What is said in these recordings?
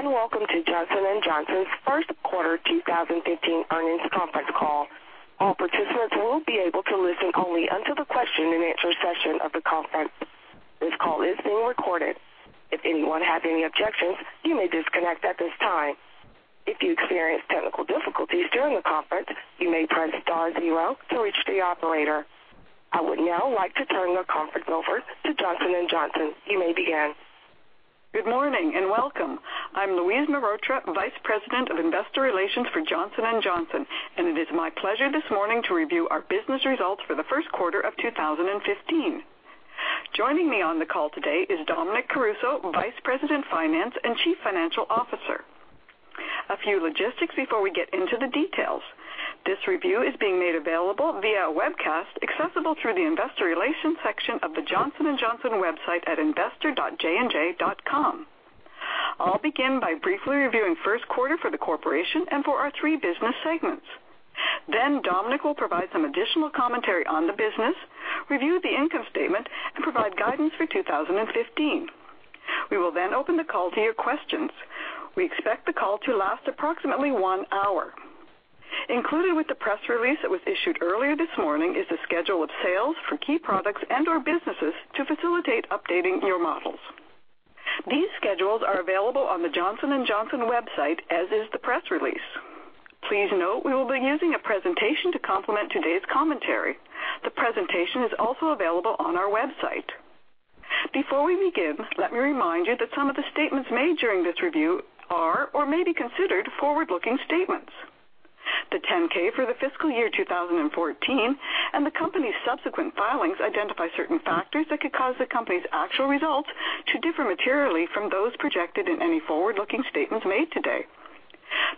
Good morning, and welcome to Johnson & Johnson's first quarter 2015 earnings conference call. All participants will be able to listen only until the question and answer session of the conference. This call is being recorded. If anyone has any objections, you may disconnect at this time. If you experience technical difficulties during the conference, you may press star zero to reach the operator. I would now like to turn the conference over to Johnson & Johnson. You may begin. Good morning, and welcome. I'm Louise Mehrotra, Vice President of Investor Relations for Johnson & Johnson, and it is my pleasure this morning to review our business results for the first quarter of 2015. Joining me on the call today is Dominic Caruso, Vice President Finance and Chief Financial Officer. A few logistics before we get into the details. This review is being made available via a webcast accessible through the investor relations section of the Johnson & Johnson website at investor.jandj.com. I'll begin by briefly reviewing first quarter for the corporation and for our three business segments. Dominic will provide some additional commentary on the business, review the income statement, and provide guidance for 2015. We will then open the call to your questions. We expect the call to last approximately one hour. Included with the press release that was issued earlier this morning is a schedule of sales for key products and/or businesses to facilitate updating your models. These schedules are available on the Johnson & Johnson website, as is the press release. Please note we will be using a presentation to complement today's commentary. The presentation is also available on our website. Before we begin, let me remind you that some of the statements made during this review are or may be considered forward-looking statements. The 10-K for the fiscal year 2014 and the company's subsequent filings identify certain factors that could cause the company's actual results to differ materially from those projected in any forward-looking statements made today.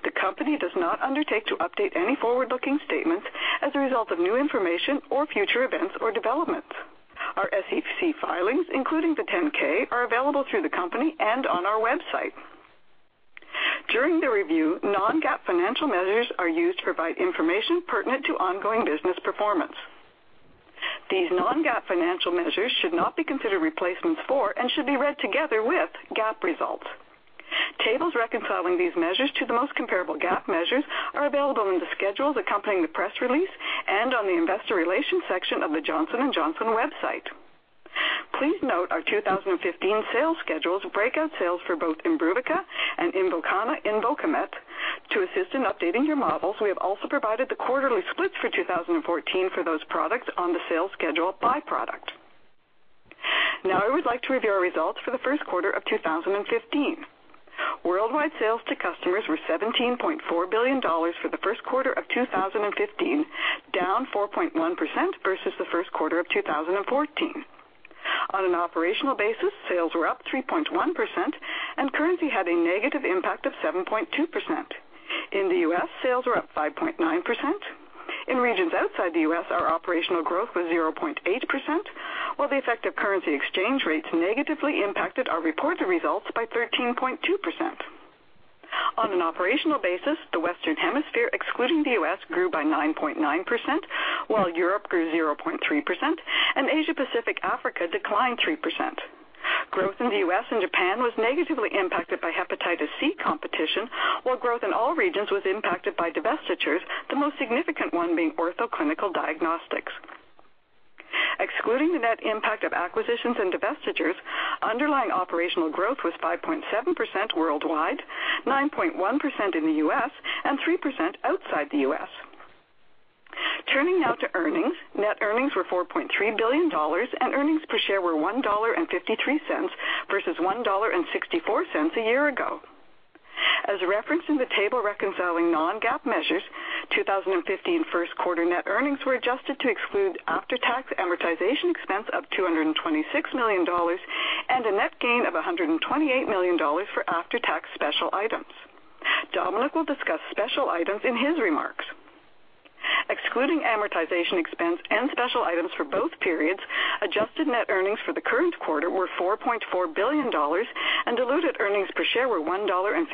The company does not undertake to update any forward-looking statements as a result of new information or future events or developments. Our SEC filings, including the 10-K, are available through the company and on our website. During the review, non-GAAP financial measures are used to provide information pertinent to ongoing business performance. These non-GAAP financial measures should not be considered replacements for and should be read together with GAAP results. Tables reconciling these measures to the most comparable GAAP measures are available in the schedules accompanying the press release and on the investor relations section of the Johnson & Johnson website. Please note our 2015 sales schedules breakout sales for both IMBRUVICA and Invokana/INVOKAMET. To assist in updating your models, we have also provided the quarterly splits for 2014 for those products on the sales schedule by product. I would like to review our results for the first quarter of 2015. Worldwide sales to customers were $17.4 billion for the first quarter of 2015, down 4.1% versus the first quarter of 2014. On an operational basis, sales were up 3.1%, and currency had a negative impact of 7.2%. In the U.S., sales were up 5.9%. In regions outside the U.S., our operational growth was 0.8%, while the effect of currency exchange rates negatively impacted our reported results by 13.2%. On an operational basis, the Western Hemisphere, excluding the U.S., grew by 9.9%, while Europe grew 0.3%, and Asia Pacific/Africa declined 3%. Growth in the U.S. and Japan was negatively impacted by hepatitis C competition, while growth in all regions was impacted by divestitures, the most significant one being Ortho Clinical Diagnostics. Excluding the net impact of acquisitions and divestitures, underlying operational growth was 5.7% worldwide, 9.1% in the U.S., and 3% outside the U.S. Turning now to earnings. Net earnings were $4.3 billion, and earnings per share were $1.53 versus $1.64 a year ago. As referenced in the table reconciling non-GAAP measures, 2015 first-quarter net earnings were adjusted to exclude after-tax amortization expense of $226 million and a net gain of $128 million for after-tax special items. Dominic will discuss special items in his remarks. Excluding amortization expense and special items for both periods, adjusted net earnings for the current quarter were $4.4 billion, and diluted earnings per share were $1.56,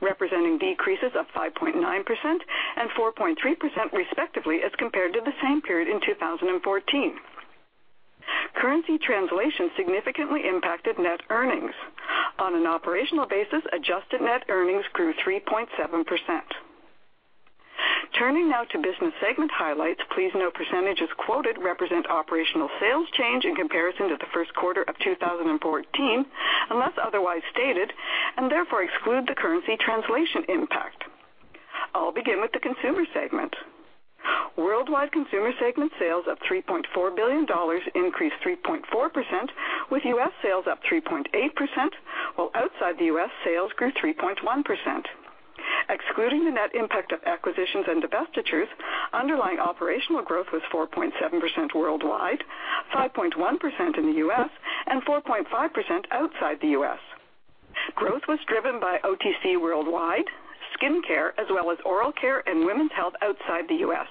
representing decreases of 5.9% and 4.3% respectively as compared to the same period in 2014. Currency translation significantly impacted net earnings. On an operational basis, adjusted net earnings grew 3.7%. Turning now to business segment highlights. Please note percentages quoted represent operational sales change in comparison to the first quarter of 2014, unless otherwise stated, and therefore exclude the currency translation impact. I'll begin with the consumer segment. Worldwide consumer segment sales of $3.4 billion increased 3.4%, with U.S. sales up 3.8%, while outside the U.S., sales grew 3.1%. Excluding the net impact of acquisitions and divestitures, underlying operational growth was 4.7% worldwide, 5.1% in the U.S., and 4.5% outside the U.S. Growth was driven by OTC worldwide, skin care, as well as oral care and women's health outside the U.S.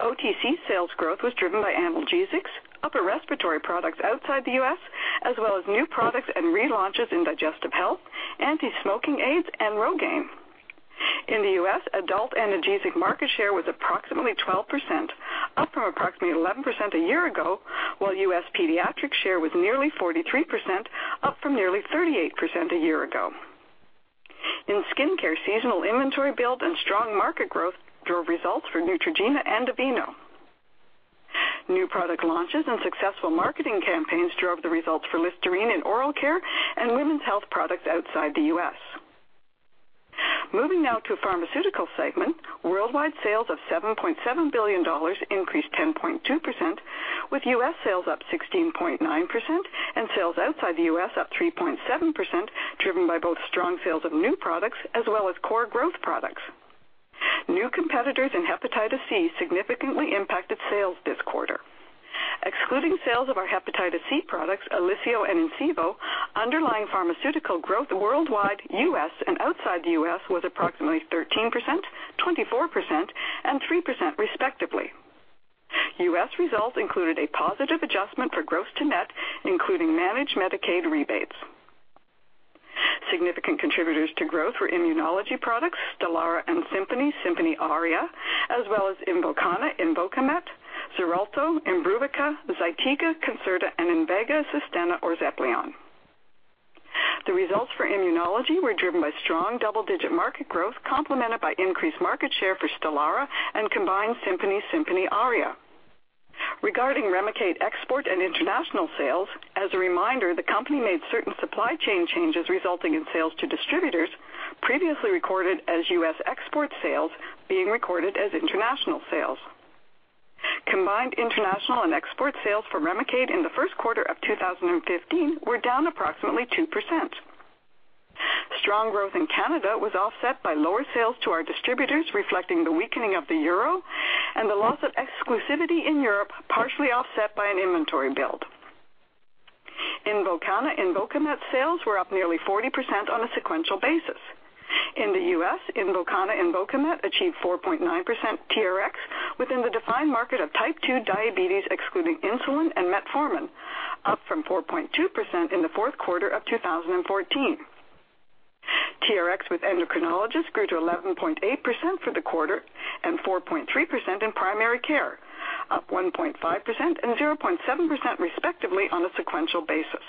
OTC sales growth was driven by analgesics, upper respiratory products outside the U.S., as well as new products and relaunches in digestive health, anti-smoking aids, and Rogaine. In the U.S., adult analgesic market share was approximately 12%, up from approximately 11% a year ago, while U.S. pediatric share was nearly 43%, up from nearly 38% a year ago. In skin care, seasonal inventory build and strong market growth drove results for Neutrogena and Aveeno. New product launches and successful marketing campaigns drove the results for Listerine in oral care and women's health products outside the U.S. Moving now to pharmaceutical segment. Worldwide sales of $7.7 billion increased 10.2%, with U.S. sales up 16.9% and sales outside the U.S. up 3.7%, driven by both strong sales of new products as well as core growth products. New competitors in hepatitis C significantly impacted sales this quarter. Excluding sales of our hepatitis C products, Olysio and Incivo, underlying pharmaceutical growth worldwide, U.S., and outside the U.S. was approximately 13%, 24%, and 3% respectively. U.S. results included a positive adjustment for gross to net, including managed Medicaid rebates. Significant contributors to growth were immunology products, STELARA and SIMPONI ARIA, as well as Invokana, INVOKAMET, XARELTO, IMBRUVICA, ZYTIGA, CONCERTA, and INVEGA SUSTENNA or Xeplion. The results for immunology were driven by strong double-digit market growth, complemented by increased market share for STELARA and combined SIMPONI ARIA. Regarding REMICADE export and international sales, as a reminder, the company made certain supply chain changes resulting in sales to distributors previously recorded as U.S. export sales being recorded as international sales. Combined international and export sales for REMICADE in the first quarter of 2015 were down approximately 2%. Strong growth in Canada was offset by lower sales to our distributors, reflecting the weakening of the EUR and the loss of exclusivity in Europe, partially offset by an inventory build. INVOKANA, INVOKAMET sales were up nearly 40% on a sequential basis. In the U.S., INVOKANA, INVOKAMET achieved 4.9% TRX within the defined market of type 2 diabetes, excluding insulin and metformin, up from 4.2% in the fourth quarter of 2014. TRX with endocrinologists grew to 11.8% for the quarter and 4.3% in primary care, up 1.5% and 0.7% respectively on a sequential basis.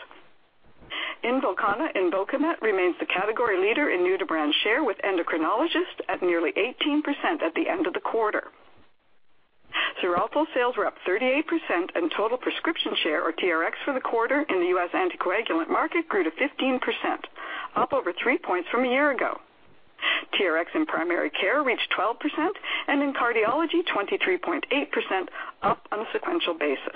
INVOKANA, INVOKAMET remains the category leader in new-to-brand share with endocrinologists at nearly 18% at the end of the quarter. XARELTO sales were up 38%, and total prescription share or TRX for the quarter in the U.S. anticoagulant market grew to 15%, up over 3 points from a year ago. TRX in primary care reached 12%, and in cardiology, 23.8%, up on a sequential basis.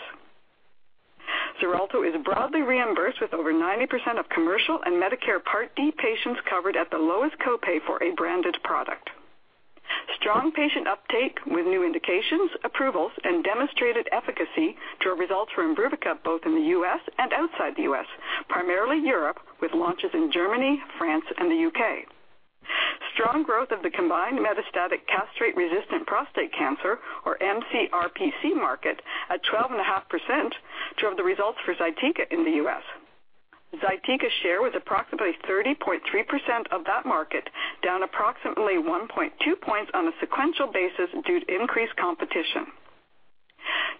XARELTO is broadly reimbursed with over 90% of commercial and Medicare Part D patients covered at the lowest copay for a branded product. Strong patient uptake with new indications, approvals, and demonstrated efficacy drove results for IMBRUVICA both in the U.S. and outside the U.S., primarily Europe, with launches in Germany, France, and the U.K. Strong growth of the combined metastatic castrate-resistant prostate cancer, or MCRPC market, at 12.5% drove the results for ZYTIGA in the U.S. ZYTIGA's share was approximately 30.3% of that market, down approximately 1.2 points on a sequential basis due to increased competition.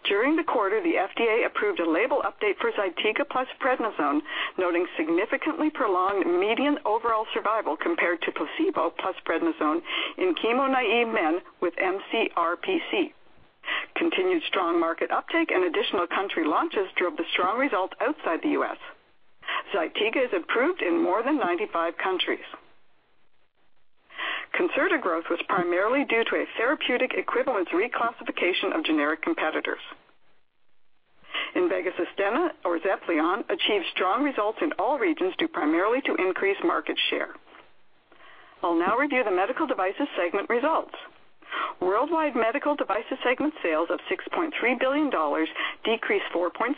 During the quarter, the FDA approved a label update for ZYTIGA plus prednisone, noting significantly prolonged median overall survival compared to placebo plus prednisone in chemo-naive men with MCRPC. Continued strong market uptake and additional country launches drove the strong results outside the U.S. ZYTIGA is approved in more than 95 countries. CONCERTA growth was primarily due to a therapeutic equivalence reclassification of generic competitors. INVEGA SUSTENNA or Xeplion achieved strong results in all regions due primarily to increased market share. I'll now review the medical devices segment results. Worldwide medical devices segment sales of $6.3 billion decreased 4.6%.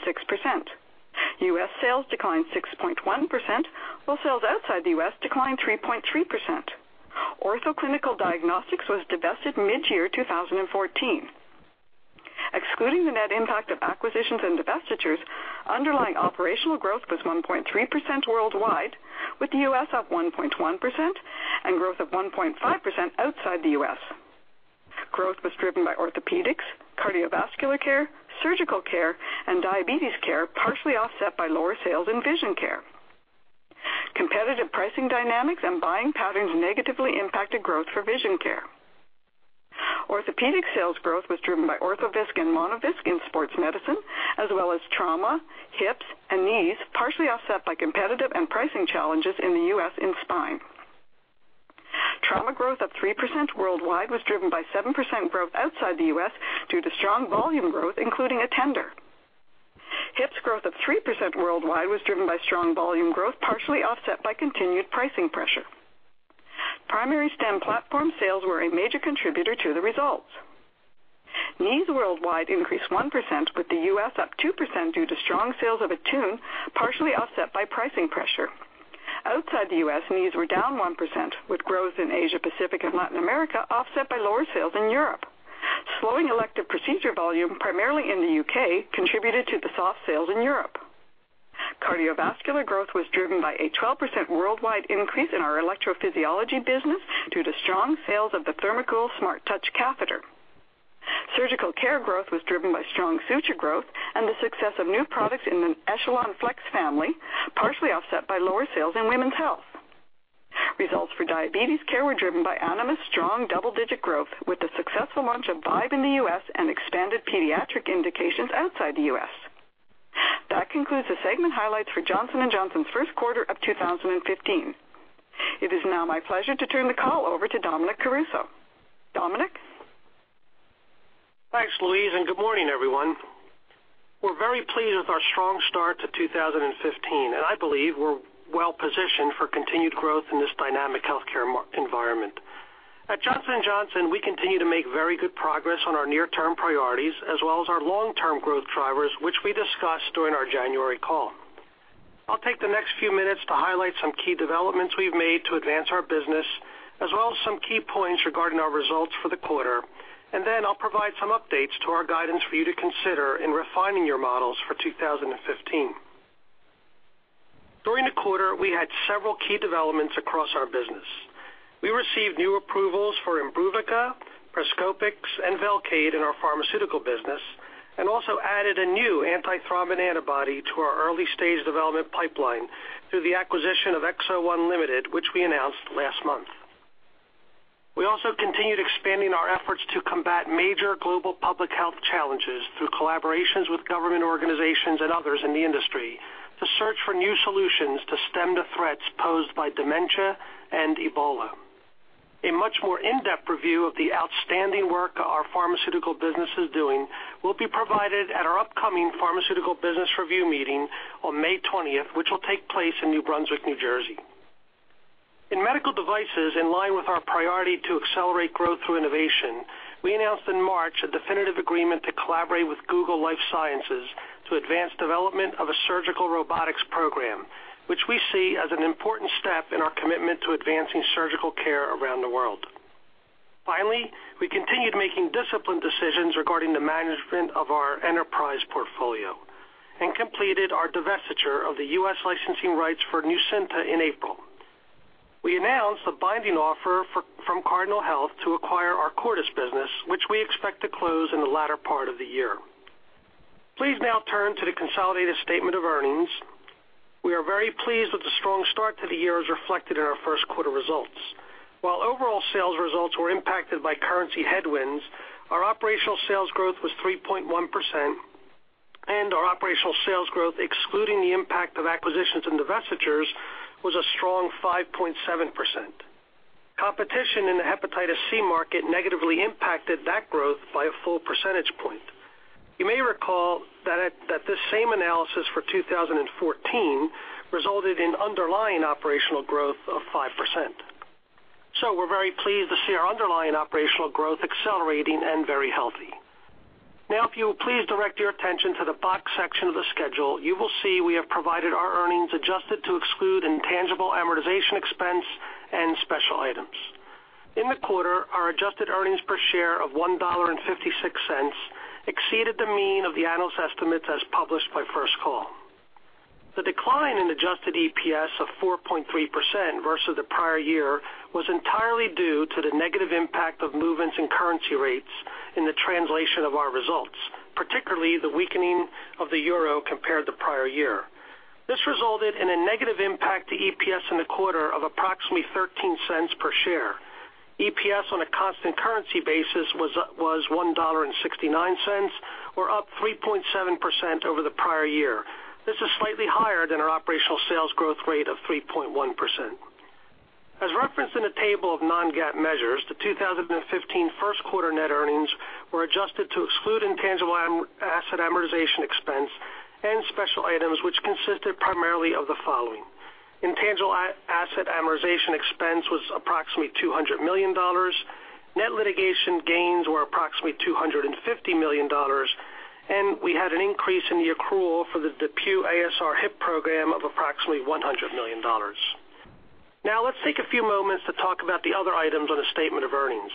U.S. sales declined 6.1%, while sales outside the U.S. declined 3.3%. Ortho Clinical Diagnostics was divested mid-year 2014. Excluding the net impact of acquisitions and divestitures, underlying operational growth was 1.3% worldwide, with the U.S. up 1.1% and growth of 1.5% outside the U.S. Growth was driven by orthopedics, cardiovascular care, surgical care, and diabetes care, partially offset by lower sales in vision care. Competitive pricing dynamics and buying patterns negatively impacted growth for vision care. Orthopedic sales growth was driven by ORTHOVISC and MONOVISC in sports medicine, as well as trauma, hips, and knees, partially offset by competitive and pricing challenges in the U.S. in spine. Trauma growth of 3% worldwide was driven by 7% growth outside the U.S. due to strong volume growth, including a tender. Hips growth of 3% worldwide was driven by strong volume growth, partially offset by continued pricing pressure. PRIMARY STEM platform sales were a major contributor to the results. Knees worldwide increased 1%, with the U.S. up 2% due to strong sales of ATTUNE, partially offset by pricing pressure. Outside the U.S., knees were down 1%, with growth in Asia Pacific and Latin America offset by lower sales in Europe. Slowing elective procedure volume, primarily in the U.K., contributed to the soft sales in Europe. Cardiovascular growth was driven by a 12% worldwide increase in our electrophysiology business due to strong sales of the THERMOCOOL SMARTTOUCH catheter. Surgical care growth was driven by strong suture growth and the success of new products in the ECHELON FLEX family, partially offset by lower sales in women's health. Results for diabetes care were driven by Animas strong double-digit growth, with the successful launch of Vibe in the U.S. and expanded pediatric indications outside the U.S. That concludes the segment highlights for Johnson & Johnson's first quarter of 2015. It is now my pleasure to turn the call over to Dominic Caruso. Dominic? Thanks, Louise, good morning, everyone. We're very pleased with our strong start to 2015, and I believe we're well-positioned for continued growth in this dynamic healthcare environment. At Johnson & Johnson, we continue to make very good progress on our near-term priorities as well as our long-term growth drivers, which we discussed during our January call. I'll take the next few minutes to highlight some key developments we've made to advance our business, as well as some key points regarding our results for the quarter. Then I'll provide some updates to our guidance for you to consider in refining your models for 2015. During the quarter, we had several key developments across our business. We received new approvals for IMBRUVICA, PROCRIT, and VELCADE in our pharmaceutical business, also added a new antithrombin antibody to our early-stage development pipeline through the acquisition of XO1 Limited, which we announced last month. We also continued expanding our efforts to combat major global public health challenges through collaborations with government organizations and others in the industry to search for new solutions to stem the threats posed by dementia and Ebola. A much more in-depth review of the outstanding work our pharmaceutical business is doing will be provided at our upcoming pharmaceutical business review meeting on May 20th, which will take place in New Brunswick, New Jersey. In medical devices, in line with our priority to accelerate growth through innovation, we announced in March a definitive agreement to collaborate with Google Life Sciences to advance development of a surgical robotics program, which we see as an important step in our commitment to advancing surgical care around the world. We continued making disciplined decisions regarding the management of our enterprise portfolio and completed our divestiture of the U.S. licensing rights for NUCYNTA in April. We announced the binding offer from Cardinal Health to acquire our Cordis business, which we expect to close in the latter part of the year. Please now turn to the consolidated statement of earnings. We are very pleased with the strong start to the year as reflected in our first quarter results. While overall sales results were impacted by currency headwinds, our operational sales growth was 3.1%, and our operational sales growth, excluding the impact of acquisitions and divestitures, was a strong 5.7%. Competition in the hepatitis C market negatively impacted that growth by a full percentage point. You may recall that this same analysis for 2014 resulted in underlying operational growth of 5%. We're very pleased to see our underlying operational growth accelerating and very healthy. If you would please direct your attention to the box section of the schedule, you will see we have provided our earnings adjusted to exclude intangible amortization expense and special items. In the quarter, our adjusted earnings per share of $1.56 exceeded the mean of the analyst estimates as published by First Call. The decline in adjusted EPS of 4.3% versus the prior year was entirely due to the negative impact of movements in currency rates in the translation of our results, particularly the weakening of the euro compared to prior year. This resulted in a negative impact to EPS in the quarter of approximately $0.13 per share. EPS on a constant currency basis was $1.69, or up 3.7% over the prior year. This is slightly higher than our operational sales growth rate of 3.1%. As referenced in the table of non-GAAP measures, the 2015 first quarter net earnings were adjusted to exclude intangible asset amortization expense and special items, which consisted primarily of the following. Intangible asset amortization expense was approximately $200 million. Net litigation gains were approximately $250 million. We had an increase in the accrual for the DePuy ASR hip program of approximately $100 million. Let's take a few moments to talk about the other items on the statement of earnings.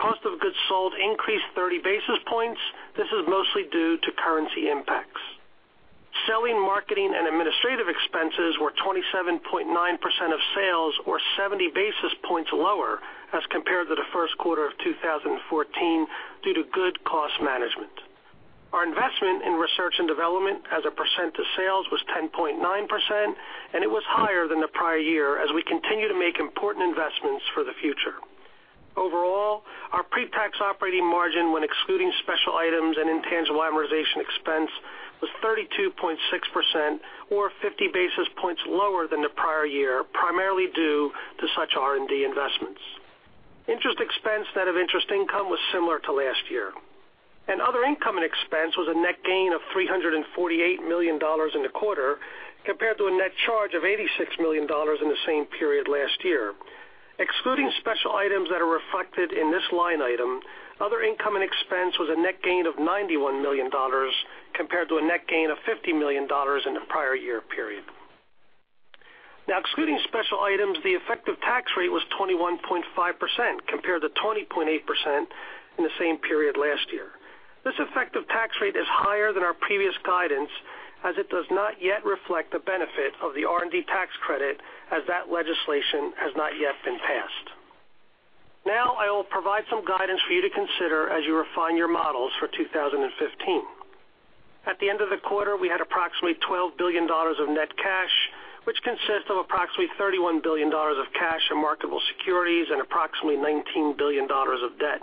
Cost of goods sold increased 30 basis points. This is mostly due to currency impacts. Selling, marketing, and administrative expenses were 27.9% of sales, or 70 basis points lower as compared to the first quarter of 2014 due to good cost management. Our investment in research and development as a % of sales was 10.9%, and it was higher than the prior year as we continue to make important investments for the future. Overall, our pre-tax operating margin when excluding special items and intangible amortization expense was 32.6%, or 50 basis points lower than the prior year, primarily due to such R&D investments. Interest expense, net of interest income, was similar to last year. Other income and expense was a net gain of $348 million in the quarter, compared to a net charge of $86 million in the same period last year. Excluding special items that are reflected in this line item, other income and expense was a net gain of $91 million, compared to a net gain of $50 million in the prior year period. Excluding special items, the effective tax rate was 21.5%, compared to 20.8% in the same period last year. This effective tax rate is higher than our previous guidance, as it does not yet reflect the benefit of the R&D tax credit, as that legislation has not yet been passed. I will provide some guidance for you to consider as you refine your models for 2015. At the end of the quarter, we had approximately $12 billion of net cash, which consists of approximately $31 billion of cash and marketable securities and approximately $19 billion of debt.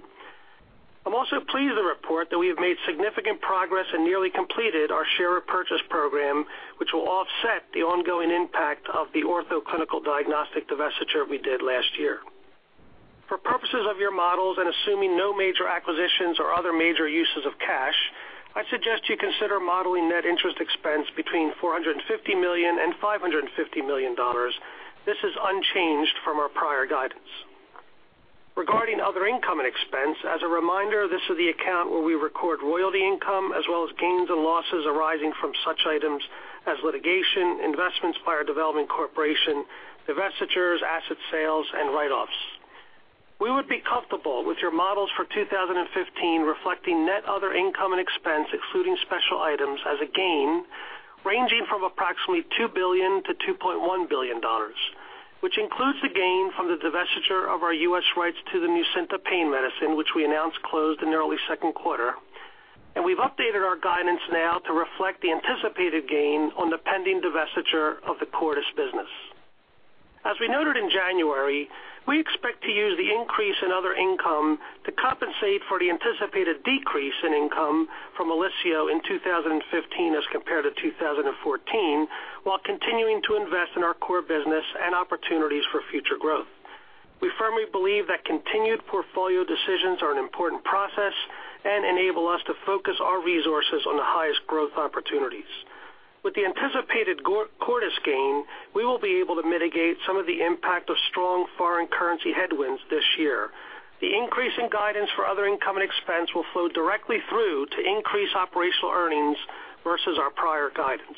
I'm also pleased to report that we have made significant progress and nearly completed our share repurchase program, which will offset the ongoing impact of the Ortho Clinical Diagnostics divestiture we did last year. For purposes of your models and assuming no major acquisitions or other major uses of cash, I'd suggest you consider modeling net interest expense between $450 million and $550 million. This is unchanged from our prior guidance. Regarding other income and expense, as a reminder, this is the account where we record royalty income as well as gains and losses arising from such items as litigation, investments by our development corporation, divestitures, asset sales and write-offs. We would be comfortable with your models for 2015 reflecting net other income and expense, excluding special items, as a gain ranging from approximately $2 billion-$2.1 billion, which includes the gain from the divestiture of our U.S. rights to the NUCYNTA pain medicine, which we announced closed in early second quarter. We've updated our guidance now to reflect the anticipated gain on the pending divestiture of the Cordis business. As we noted in January, we expect to use the increase in other income to compensate for the anticipated decrease in income from Olysio in 2015 as compared to 2014, while continuing to invest in our core business and opportunities for future growth. We firmly believe that continued portfolio decisions are an important process and enable us to focus our resources on the highest growth opportunities. With the anticipated Cordis gain, we will be able to mitigate some of the impact of strong foreign currency headwinds this year. The increase in guidance for other income and expense will flow directly through to increase operational earnings versus our prior guidance.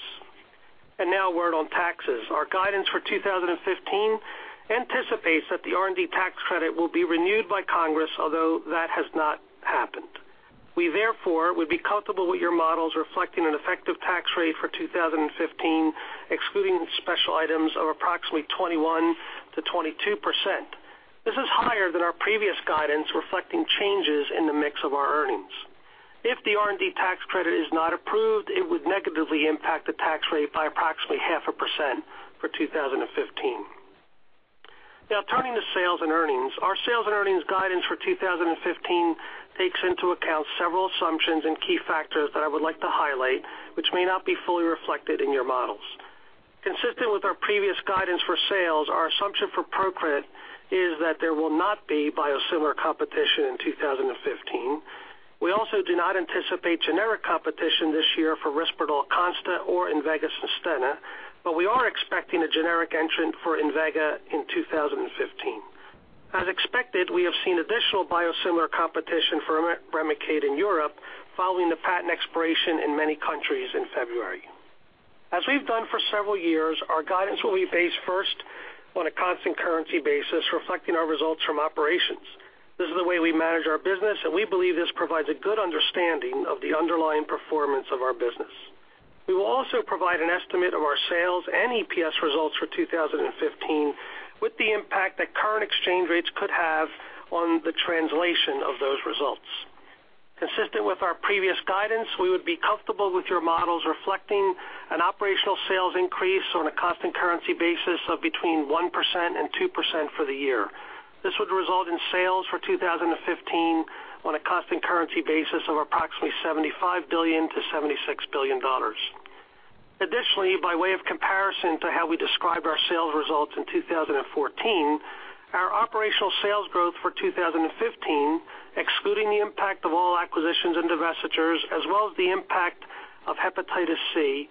A word on taxes. Our guidance for 2015 anticipates that the R&D tax credit will be renewed by Congress, although that has not happened. We therefore would be comfortable with your models reflecting an effective tax rate for 2015, excluding special items, of approximately 21%-22%. This is higher than our previous guidance, reflecting changes in the mix of our earnings. If the R&D tax credit is not approved, it would negatively impact the tax rate by approximately half a percent for 2015. Turning to sales and earnings. Our sales and earnings guidance for 2015 takes into account several assumptions and key factors that I would like to highlight, which may not be fully reflected in your models. Consistent with our previous guidance for sales, our assumption for PROCRIT is that there will not be biosimilar competition in 2015. We also do not anticipate generic competition this year for RISPERDAL CONSTA or INVEGA SUSTENNA, but we are expecting a generic entrant for INVEGA in 2015. As expected, we have seen additional biosimilar competition for REMICADE in Europe following the patent expiration in many countries in February. As we've done for several years, our guidance will be based first on a constant currency basis, reflecting our results from operations. This is the way we manage our business, and we believe this provides a good understanding of the underlying performance of our business. We will also provide an estimate of our sales and EPS results for 2015 with the impact that current exchange rates could have on the translation of those results. Consistent with our previous guidance, we would be comfortable with your models reflecting an operational sales increase on a constant currency basis of between 1%-2% for the year. This would result in sales for 2015 on a constant currency basis of approximately $75 billion-$76 billion. Additionally, by way of comparison to how we described our sales results in 2014, our operational sales growth for 2015, excluding the impact of all acquisitions and divestitures, as well as the impact of hepatitis C,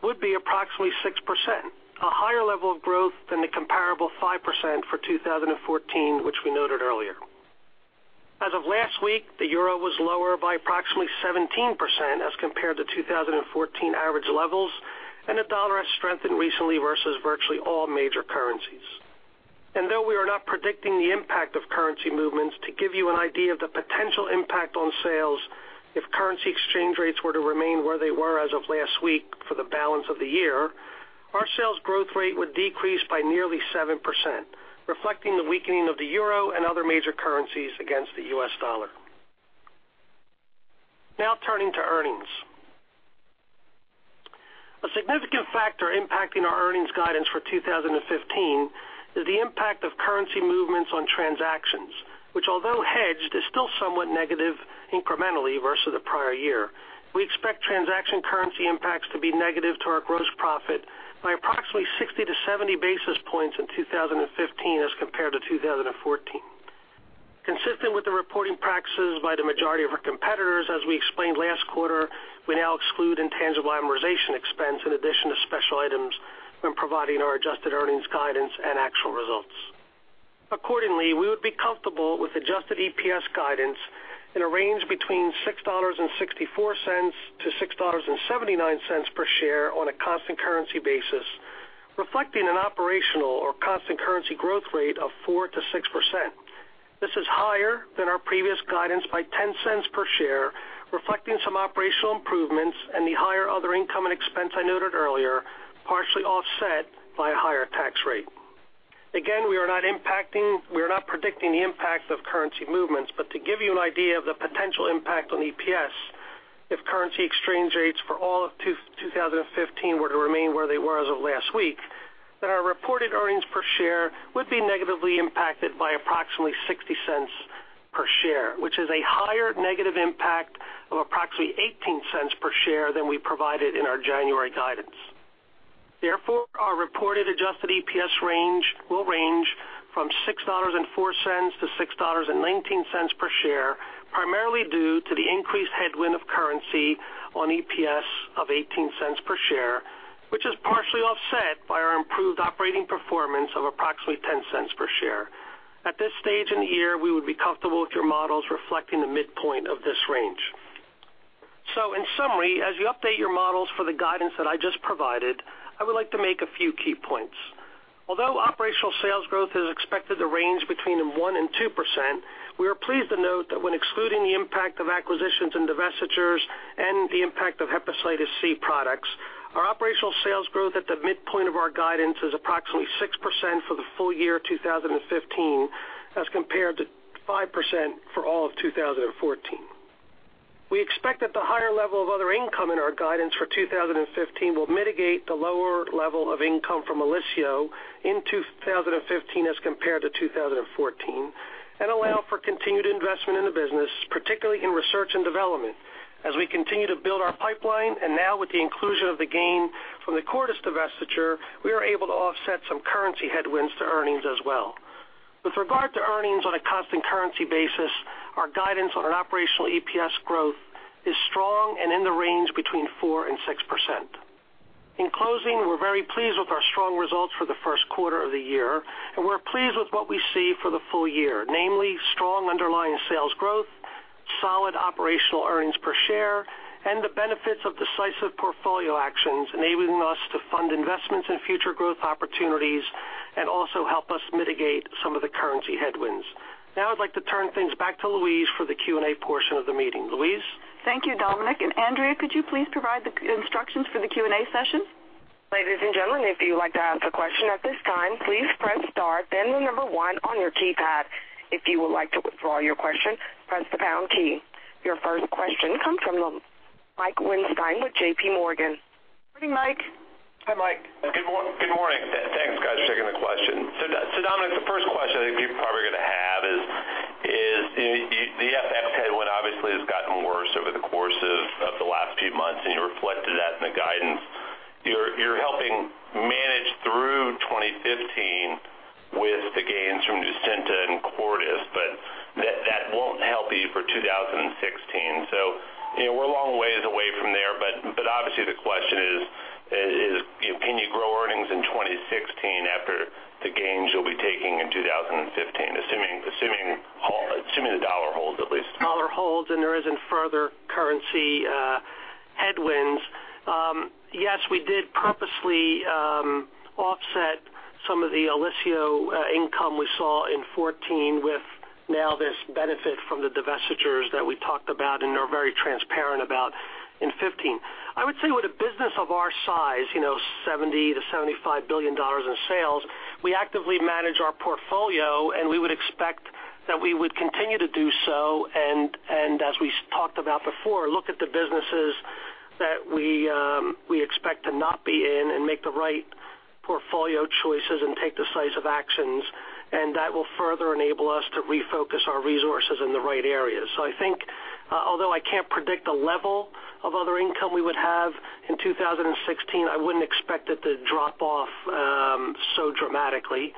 would be approximately 6%, a higher level of growth than the comparable 5% for 2014, which we noted earlier. As of last week, the EUR was lower by approximately 17% as compared to 2014 average levels, the dollar has strengthened recently versus virtually all major currencies. Though we are not predicting the impact of currency movements, to give you an idea of the potential impact on sales if currency exchange rates were to remain where they were as of last week for the balance of the year, our sales growth rate would decrease by nearly 7%, reflecting the weakening of the EUR and other major currencies against the U.S. dollar. Turning to earnings. A significant factor impacting our earnings guidance for 2015 is the impact of currency movements on transactions, which although hedged, is still somewhat negative incrementally versus the prior year. We expect transaction currency impacts to be negative to our gross profit by approximately 60-70 basis points in 2015 as compared to 2014. Consistent with the reporting practices by the majority of our competitors, as we explained last quarter, we now exclude intangible amortization expense in addition to special items when providing our adjusted earnings guidance and actual results. Accordingly, we would be comfortable with adjusted EPS guidance in a range between $6.64-$6.79 per share on a constant currency basis, reflecting an operational or constant currency growth rate of 4%-6%. This is higher than our previous guidance by $0.10 per share, reflecting some operational improvements and the higher other income and expense I noted earlier, partially offset by a higher tax rate. We are not predicting the impact of currency movements. To give you an idea of the potential impact on EPS, if currency exchange rates for all of 2015 were to remain where they were as of last week, our reported earnings per share would be negatively impacted by approximately $0.60 per share. This is a higher negative impact of approximately $0.18 per share than we provided in our January guidance. Therefore, our reported adjusted EPS range will range from $6.04-$6.19 per share, primarily due to the increased headwind of currency on EPS of $0.18 per share, which is partially offset by our improved operating performance of approximately $0.10 per share. At this stage in the year, we would be comfortable with your models reflecting the midpoint of this range. In summary, as you update your models for the guidance that I just provided, I would like to make a few key points. Although operational sales growth is expected to range between 1%-2%, we are pleased to note that when excluding the impact of acquisitions and divestitures and the impact of hepatitis C products, our operational sales growth at the midpoint of our guidance is approximately 6% for the full year 2015 as compared to 5% for all of 2014. We expect that the higher level of other income in our guidance for 2015 will mitigate the lower level of income from Olysio in 2015 as compared to 2014 and allow for continued investment in the business, particularly in research and development as we continue to build our pipeline. Now with the inclusion of the gain from the Cordis divestiture, we are able to offset some currency headwinds to earnings as well. With regard to earnings on a constant currency basis, our guidance on an operational EPS growth is strong and in the range between 4%-6%. In closing, we're very pleased with our strong results for the first quarter of the year, and we're pleased with what we see for the full year, namely strong underlying sales growth, solid operational earnings per share, and the benefits of decisive portfolio actions enabling us to fund investments in future growth opportunities and also help us mitigate some of the currency headwinds. Now I'd like to turn things back to Louise for the Q&A portion of the meeting. Louise? Thank you, Dominic. Andrea, could you please provide the instructions for the Q&A session? Ladies and gentlemen, if you'd like to ask a question at this time, please press star then the number one on your keypad. If you would like to withdraw your question, press the pound key. Your first question comes from Mike Weinstein with JP Morgan. Morning, Mike. Hi, Mike. Good morning. Thanks, guys, for taking the question. Dominic, the first question I think people are probably going to have is the FX headwind obviously has gotten worse over the course of the last few months, and you reflected that in the guidance. You're helping manage through 2015 with the gains from NUCYNTA and Cordis, but that won't help you for 2016. We're a long ways away from there, but obviously the question is, can you grow earnings in 2016 after the gains you'll be taking in 2015? Assuming the dollar holds, at least. Dollar holds and there isn't further currency headwinds. We did purposely offset some of the Olysio income we saw in 2014 with now this benefit from the divestitures that we talked about and are very transparent about in 2015. With a business of our size, $70 billion-$75 billion in sales, we actively manage our portfolio and we would expect that we would continue to do so and as we talked about before, look at the businesses that we expect to not be in and make the right portfolio choices and take decisive actions and that will further enable us to refocus our resources in the right areas. Although I can't predict the level of other income we would have in 2016, I wouldn't expect it to drop off so dramatically.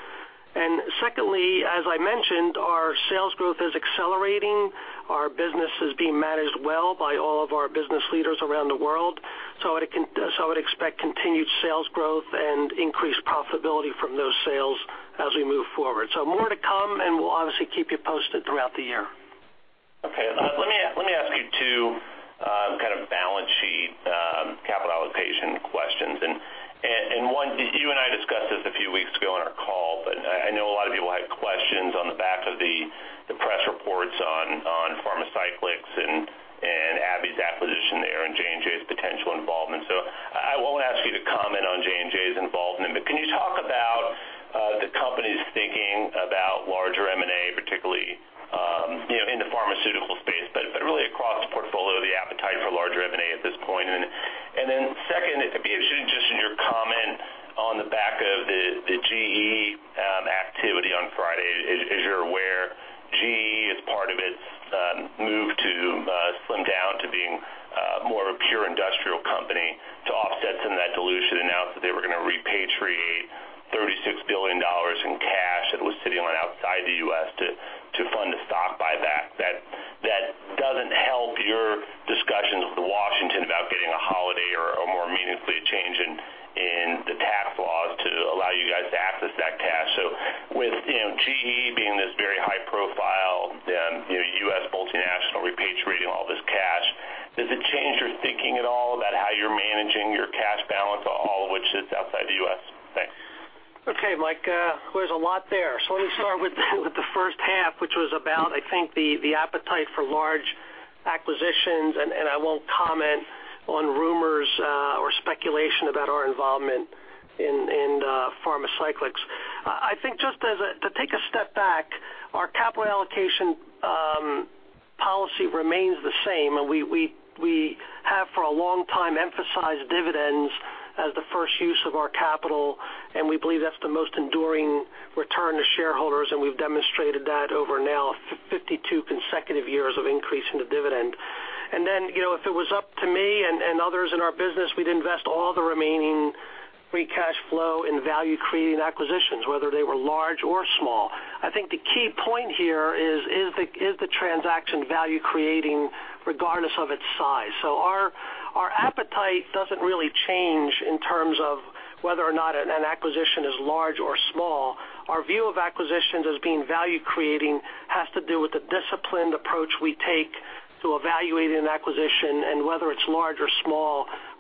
Secondly, as I mentioned, our sales growth is accelerating. Our business is being managed well by all of our business leaders around the world. I would expect continued sales growth and increased profitability from those sales as we move forward. More to come and we'll obviously keep you posted throughout the year. Okay. Let me ask you two kind of balance sheet capital allocation questions. One, you and I discussed this a few weeks ago on our call, but I know a lot of people had questions on the back of the press reports on Pharmacyclics and AbbVie's acquisition there and J&J's potential involvement. I won't ask you to comment on J&J's involvement, but can you talk about the company's thinking about larger M&A, particularly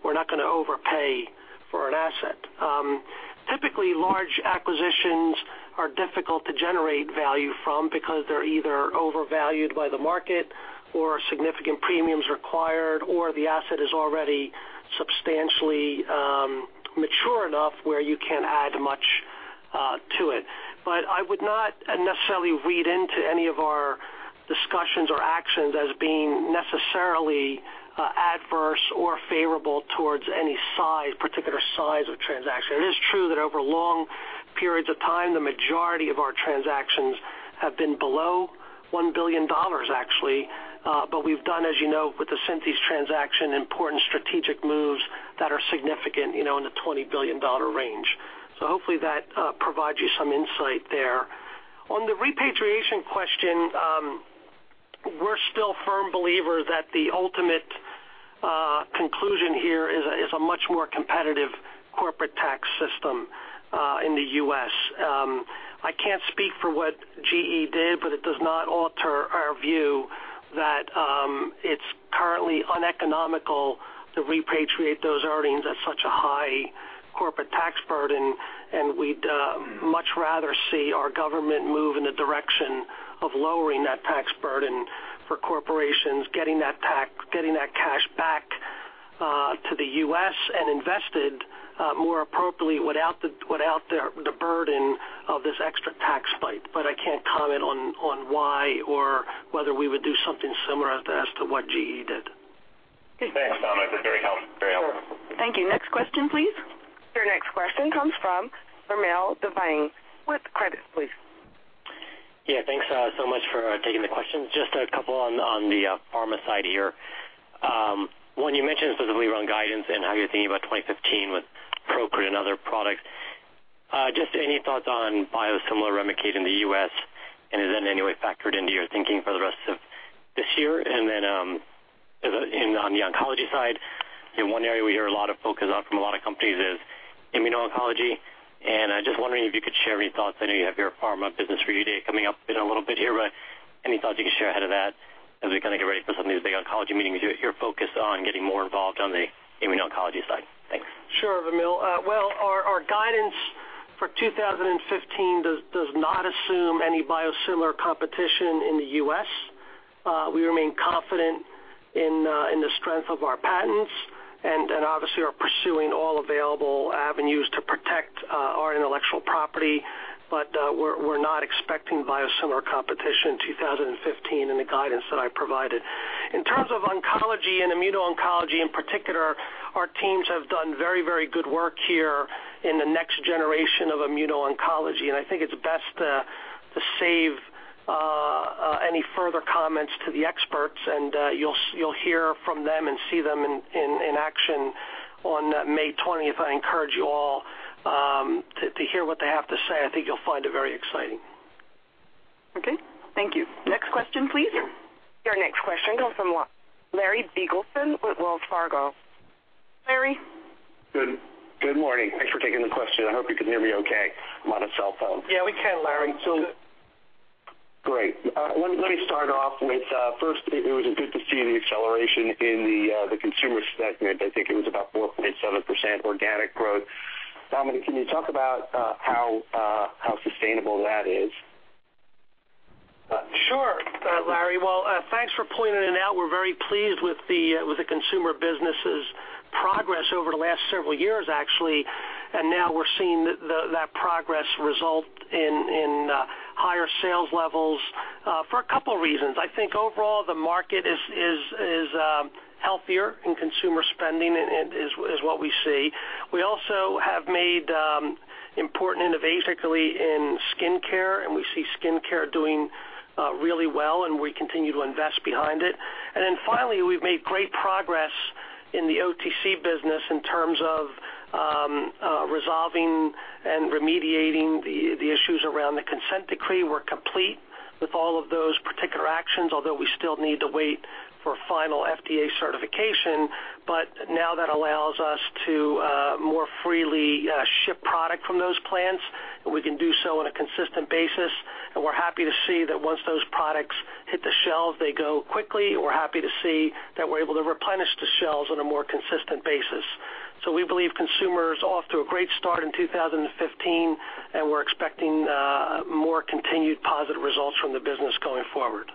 we're not going to overpay for an asset. Typically, large acquisitions are difficult to generate value from because they're either overvalued by the market or significant premium's required, or the asset is already substantially mature enough where you can't add much to it. I would not necessarily read into any of our discussions or actions as being necessarily adverse or favorable towards any particular size of transaction. It is true that over long periods of time, the majority of our transactions have been below $1 billion actually. We've done, as you know, with the Synthes transaction, important strategic moves that are significant in the $20 billion range. Hopefully that provides you some insight there. On the repatriation question, we're still firm believer that the ultimate conclusion here is a much more competitive corporate tax system in the U.S. I can't speak for what GE did, but it does not alter our view that it's currently uneconomical to repatriate those earnings at such a high corporate tax burden. We'd much rather see our government move in the direction of lowering that tax burden for corporations, getting that cash back to the U.S. and invested more appropriately without the burden of this extra tax bite. I can't comment on why or whether we would do something similar as to what GE did. Thanks, Dominic. That's very helpful. Thank you. Next question, please. Your next question comes from Vamil Divan with Credit Suisse. Yeah, thanks so much for taking the questions. Just a couple on the pharma side here. One, you mentioned specifically around guidance and how you're thinking about 2015 with PROCRIT and other products. Just any thoughts on biosimilar REMICADE in the U.S., is that in any way factored into your thinking for the rest of this year? Then on the oncology side, one area we hear a lot of focus on from a lot of companies is immuno-oncology, and I'm just wondering if you could share any thoughts. I know you have your pharma business review day coming up in a little bit here, but any thoughts you could share ahead of that as we kind of get ready for some of these big oncology meetings with your focus on getting more involved on the immuno-oncology side? Thanks. Sure, Vamil. Well, our guidance for 2015 does not assume any biosimilar competition in the U.S. We remain confident in the strength of our patents and obviously are pursuing all available avenues to protect our intellectual property, but we're not expecting biosimilar competition in 2015 in the guidance that I provided. In terms of oncology and immuno-oncology in particular, our teams have done very good work here in the next generation of immuno-oncology, and I think it's best to save any further comments to the experts, and you'll hear from them and see them in action on May 20th. I encourage you all to hear what they have to say. I think you'll find it very exciting. Okay. Thank you. Next question, please. Your next question comes from Larry Biegelsen with Wells Fargo. Larry? Good morning. Thanks for taking the question. I hope you can hear me okay. I'm on a cell phone. Yeah, we can, Larry. Great. Let me start off with, first, it was good to see the acceleration in the consumer segment. I think it was about 4.7% organic growth. Dominic, can you talk about how sustainable that is? Sure, Larry. Well, thanks for pointing it out. We're very pleased with the consumer business's progress over the last several years, actually. Now we're seeing that progress result in higher sales levels for a couple reasons. I think overall, the market is healthier in consumer spending is what we see. We also have made important innovation in skincare. We see skincare doing really well, and we continue to invest behind it. Finally, we've made great progress in the OTC business in terms of resolving and remediating the issues around the consent decree. We're complete with all of those particular actions, although we still need to wait for final FDA certification. Now that allows us to more freely ship product from those plants, and we can do so on a consistent basis. We're happy to see that once those products hit the shelves, they go quickly. We're happy to see that we're able to replenish the shelves on a more consistent basis. We believe Consumer is off to a great start in 2015, and we're expecting more continued positive results from the business going forward.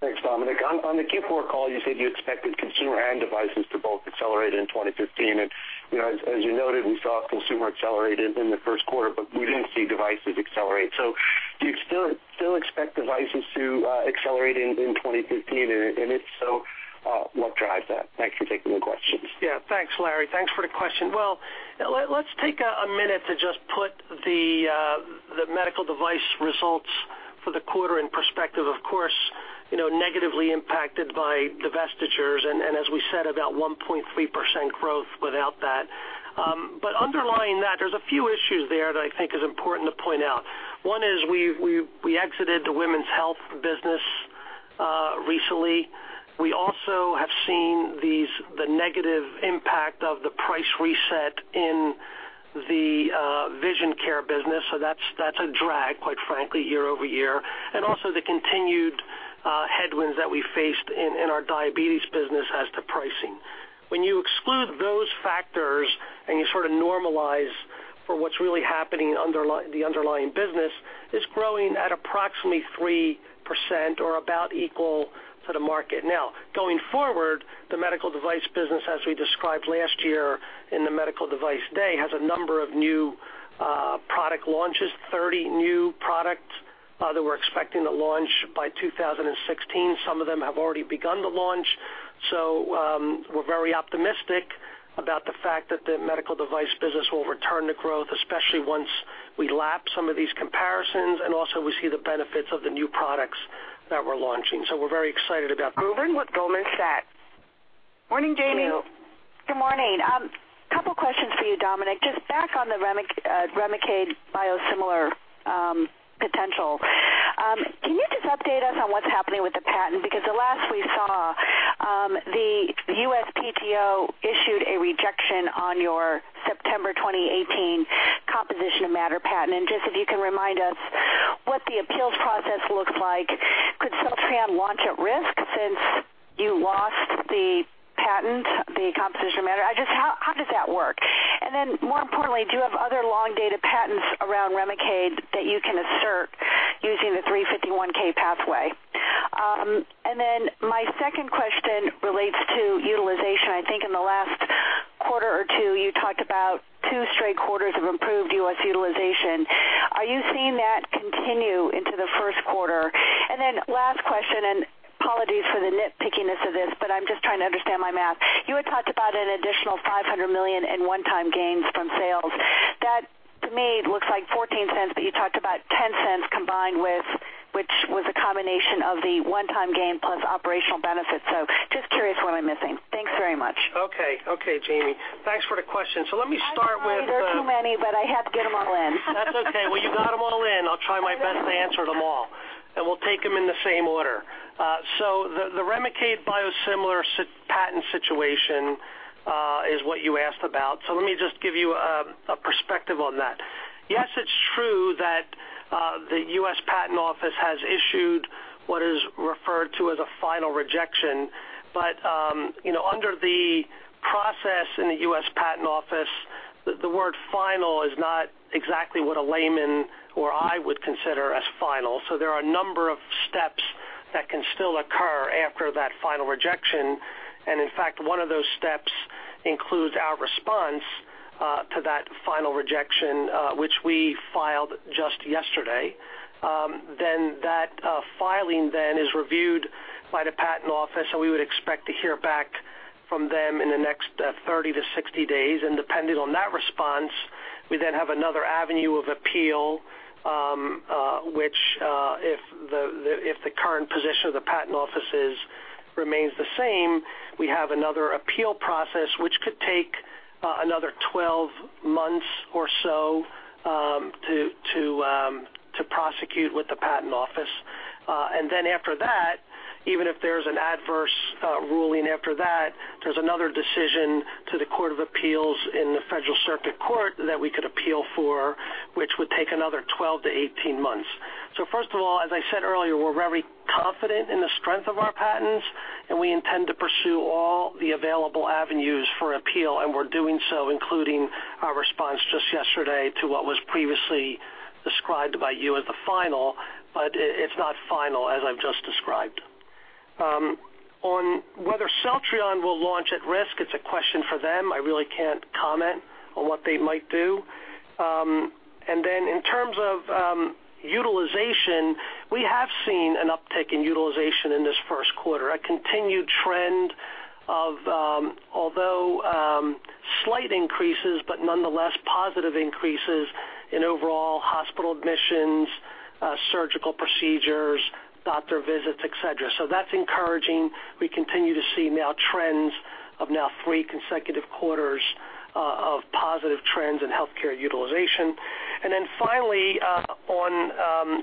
Thanks, Dominic. On the Q4 call, you said you expected Consumer and Devices to both accelerate in 2015. As you noted, we saw Consumer accelerated in the first quarter. We didn't see Devices accelerate. Do you still expect Devices to accelerate in 2015, and if so, what drives that? Thanks for taking the questions. Thanks, Larry. Thanks for the question. Let's take a minute to just put the medical device results for the quarter in perspective. Of course, negatively impacted by divestitures and as we said, about 1.3% growth without that. Underlying that, there's a few issues there that I think is important to point out. One is we exited the women's health business recently. We also have seen the negative impact of the price reset in the vision care business. That's a drag, quite frankly, year-over-year. Also the continued headwinds that we faced in our diabetes business as to pricing. When you exclude those factors and you sort of normalize for what's really happening, the underlying business is growing at approximately 3% or about equal to the market. Going forward, the medical device business, as we described last year in the medical device day, has a number of new product launches, 30 new products that we're expecting to launch by 2016. Some of them have already begun to launch. We're very optimistic about the fact that the medical device business will return to growth, especially once we lap some of these comparisons, and also we see the benefits of the new products that we're launching. We're very excited about that. Jami Rubin with Goldman Sachs. Morning, Jami. Good morning. Couple questions for you, Dominic. Just back on the Remicade biosimilar potential. Can you just update us on what's happening with the patent? Because the last we saw, the USPTO issued a rejection on your September 2018 composition of matter patent. Just if you can remind us what the appeals process looks like, could Celltrion launch at risk since you lost the patent, the composition of matter? Just how does that work? More importantly, do you have other long-dated patents around Remicade that you can assert using the 351 pathway? My second question relates to utilization. I think in the last quarter or two, you talked about two straight quarters of improved U.S. utilization. Are you seeing that continue into the first quarter? Last question, apologies for the nitpickiness of this, but I'm just trying to understand my math. You had talked about an additional $500 million in one-time gains from sales. That to me looks like $0.14, but you talked about $0.10 combined with, which was a combination of the one-time gain plus operational benefits. Just curious what I'm missing. Thanks very much. Okay, Jami. Thanks for the question. Let me start with the- I'm sorry. They're too many, I had to get them all in. That's okay. You got them all in. I'll try my best to answer them all, we'll take them in the same order. The REMICADE biosimilar patent situation is what you asked about. Let me just give you a perspective on that. Yes, it's true that the U.S. Patent Office has issued what is referred to as a final rejection. Under the process in the U.S. Patent Office, the word final is not exactly what a layman or I would consider as final. There are a number of steps that can still occur after that final rejection. In fact, one of those steps includes our response to that final rejection, which we filed just yesterday. That filing then is reviewed by the patent office, we would expect to hear back from them in the next 30 to 60 days. Depending on that response, we then have another avenue of appeal, which if the current position of the patent office remains the same, we have another appeal process, which could take another 12 months or so to prosecute with the patent office. After that, even if there's an adverse ruling after that, there's another decision to the Court of Appeals for the Federal Circuit that we could appeal for, which would take another 12 to 18 months. First of all, as I said earlier, we're very confident in the strength of our patents, we intend to pursue all the available avenues for appeal, we're doing so, including our response just yesterday to what was previously described by you as the final, but it's not final, as I've just described. On whether Celltrion will launch at risk, it's a question for them. I really can't comment on what they might do. In terms of utilization, we have seen an uptick in utilization in this first quarter, a continued trend of although slight increases, but nonetheless positive increases in overall hospital admissions, surgical procedures, doctor visits, et cetera. That's encouraging. We continue to see now trends of now three consecutive quarters of positive trends in healthcare utilization. Finally, on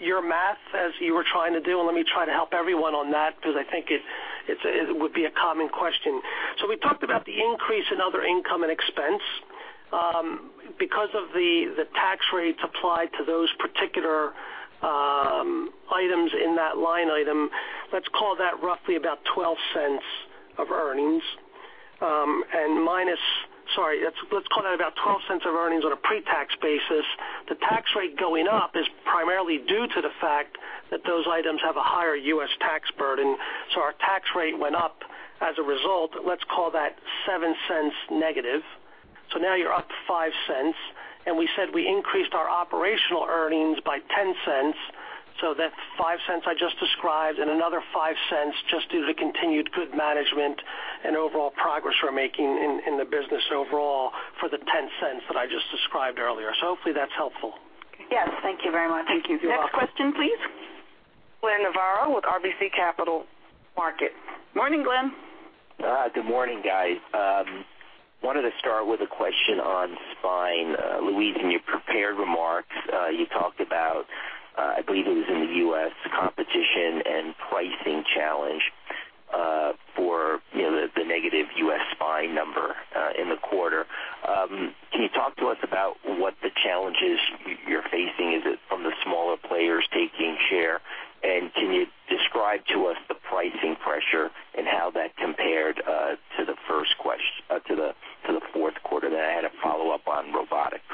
your math as you were trying to do, let me try to help everyone on that because I think it would be a common question. We talked about the increase in other income and expense. Because of the tax rates applied to those particular items in that line item, let's call that roughly about $0.12 of earnings. Let's call that about $0.12 of earnings on a pre-tax basis. The tax rate going up is primarily due to the fact that those items have a higher U.S. tax burden. Our tax rate went up as a result. Let's call that $0.07 negative. Now you're up $0.05, we said we increased our operational earnings by $0.10. That's $0.05 I just described another $0.05 just due to continued good management and overall progress we're making in the business overall for the $0.10 that I just described earlier. Hopefully that's helpful. Yes. Thank you very much. Thank you. You're welcome. Next question, please. Glenn Novarro with RBC Capital Markets. Morning, Glenn. Good morning, guys. Wanted to start with a question on spine. Louise, in your prepared remarks, you talked about, I believe it was in the U.S., competition and pricing challenge for the negative U.S. spine number in the quarter. Can you talk to us about what the challenges you're facing? Is it from the smaller players taking share? Can you describe to us the pricing pressure and how that compared to the fourth quarter? I had a follow-up on robotics.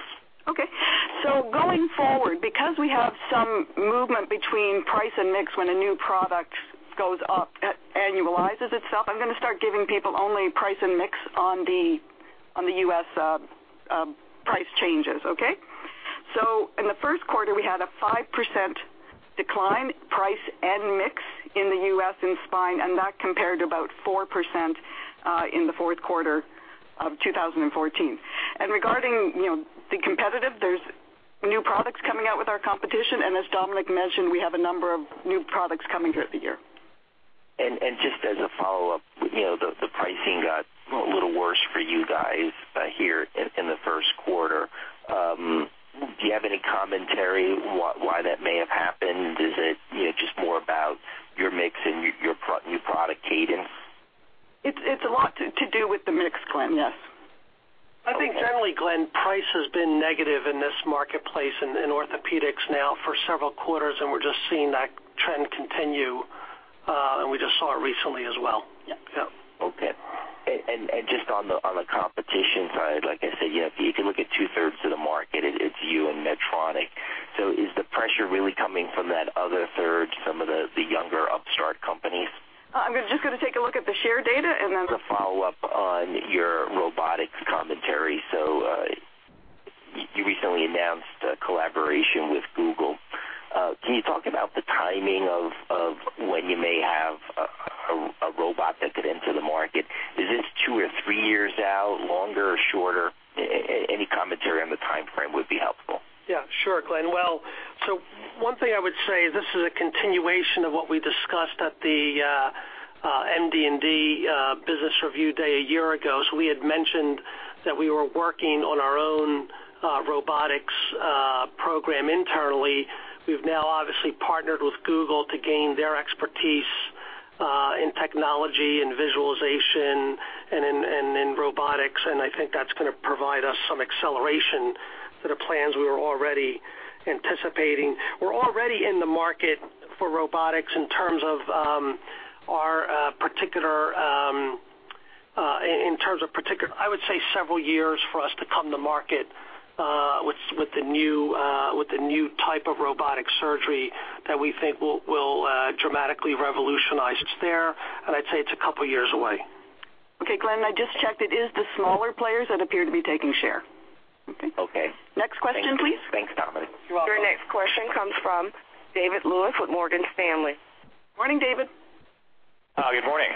Okay. Going forward, because we have some movement between price and mix when a new product goes up, annualizes itself, I'm going to start giving people only price and mix on the U.S. price changes. Okay? In the first quarter, we had a 5% decline, price and mix in the U.S. in spine, that compared to about 4% in the fourth quarter of 2014. Regarding the competitive, there's new products coming out with our competition, as Dominic mentioned, we have a number of new products coming through the year. Just as a follow-up, the pricing got a little worse for you guys here in the first quarter. Do you have any commentary why that may have happened? Is it just more about your mix and your new product cadence? It's a lot to do with the mix, Glenn. Yes. I think generally, Glenn, price has been negative in this marketplace in orthopedics now for several quarters. We're just seeing that trend continue. We just saw it recently as well. Yep. Yeah. Okay. Just on the competition side, like I said, if you can look at two-thirds of the market, it's you and Medtronic. Is the pressure really coming from that other third, some of the younger upstart companies? I'm just going to take a look at the share data. As a follow-up on your robotics commentary. You recently announced a collaboration with Google. Can you talk about the timing of when you may have a robot that could enter the market? Is this two or three years out, longer or shorter? Any commentary on the timeframe would be helpful. Yeah. Sure, Glenn. One thing I would say is this is a continuation of what we discussed at the MD&D Business Review Day a year ago. We had mentioned that we were working on our own robotics program internally. We've now obviously partnered with Google to gain their expertise in technology and visualization and in robotics, and I think that's going to provide us some acceleration to the plans we were already anticipating. We're already in the market for robotics in terms of our I would say several years for us to come to market with the new type of robotic surgery that we think will dramatically revolutionize. It's there, and I'd say it's a couple of years away. Okay, Glenn, I just checked. It is the smaller players that appear to be taking share. Okay. Okay. Next question, please. Thanks, Dominic. You're welcome. Your next question comes from David Lewis with Morgan Stanley. Morning, David. Good morning.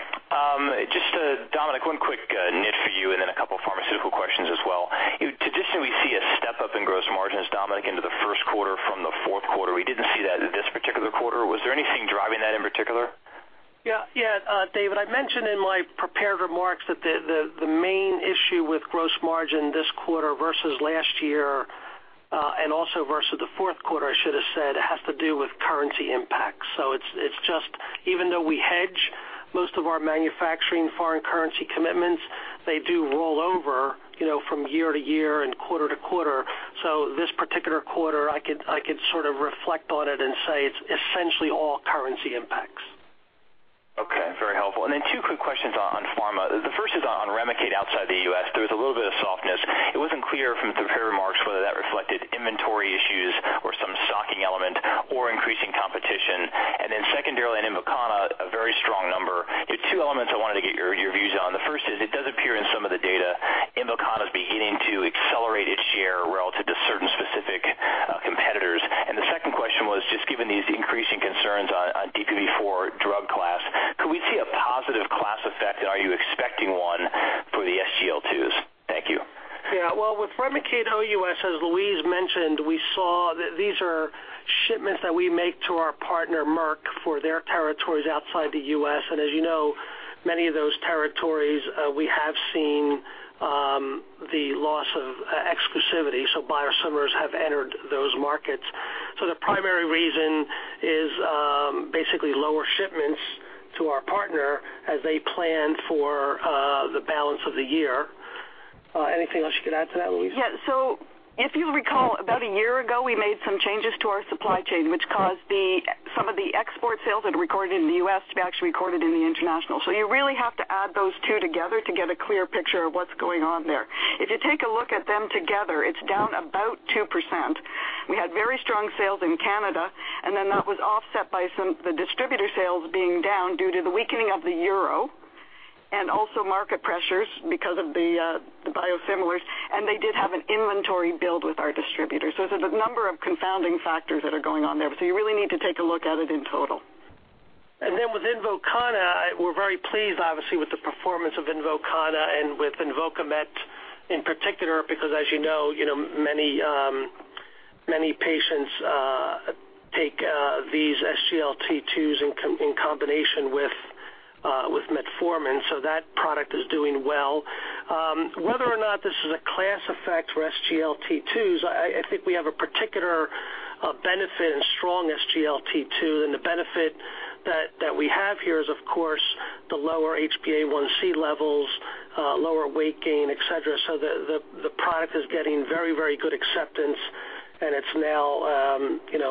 Just, Dominic, one quick nit for you and then a couple pharmaceutical questions as well. Traditionally, we see a step-up in gross margins, Dominic, into the first quarter from the fourth quarter. We didn't see that in this particular quarter. Was there anything driving that in particular? Yeah. David, I mentioned in my prepared remarks that the main issue with gross margin this quarter versus last year, and also versus the fourth quarter, I should have said, has to do with currency impact. It's just even though we hedge most of our manufacturing foreign currency commitments, they do roll over from year to year and quarter to quarter. This particular quarter, I could sort of reflect on it and say it's essentially all currency impacts. Okay. Very helpful. Then two quick questions on pharma. The first is on REMICADE outside the U.S. There was a little bit of softness. It wasn't clear from prepared remarks whether that reflected inventory issues or some stocking element or increasing competition. Then secondarily, on Invokana, a very strong number. The two elements I wanted to get your views on. The first is it does appear in some of the data Invokana's beginning to accelerate its share relative Increasing concerns on DPP-4 drug class. Could we see a positive class effect, and are you expecting one for the SGLT2s? Thank you. Yeah. Well, with REMICADE OUS, as Louise mentioned, we saw that these are shipments that we make to our partner, Merck, for their territories outside the U.S. As you know, many of those territories, we have seen the loss of exclusivity, so biosimilars have entered those markets. The primary reason is basically lower shipments to our partner as they plan for the balance of the year. Anything else you could add to that, Louise? If you recall, about a year ago, we made some changes to our supply chain, which caused some of the export sales that are recorded in the U.S. to be actually recorded in the international. You really have to add those two together to get a clear picture of what's going on there. If you take a look at them together, it's down about 2%. We had very strong sales in Canada, that was offset by some of the distributor sales being down due to the weakening of the euro and also market pressures because of the biosimilars, and they did have an inventory build with our distributors. There's a number of confounding factors that are going on there, but you really need to take a look at it in total. With Invokana, we're very pleased, obviously, with the performance of Invokana and with Invokamet in particular, because as you know, many patients take these SGLT2s in combination with metformin, that product is doing well. Whether or not this is a class effect for SGLT2s, I think we have a particular benefit in strong SGLT2. The benefit that we have here is, of course, the lower HbA1c levels, lower weight gain, et cetera. The product is getting very, very good acceptance, and it's now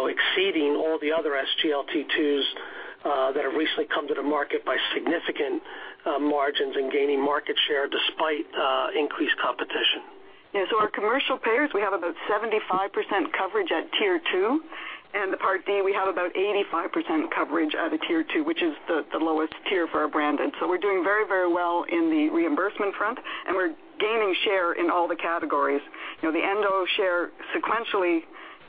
exceeding all the other SGLT2s that have recently come to the market by significant margins and gaining market share despite increased competition. Our commercial payers, we have about 75% coverage at tier 2, the Part D, we have about 85% coverage at a tier 2, which is the lowest tier for our branded. We're doing very, very well in the reimbursement front, and we're gaining share in all the categories. The endo share sequentially,